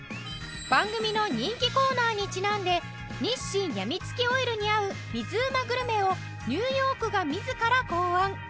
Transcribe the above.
番組の人気コーナーにちなんで日清やみつきオイルに合う水うまグルメをニューヨークが自ら考案